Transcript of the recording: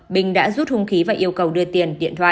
bình đã rút hung khí và yêu cầu đưa tiền điện thoại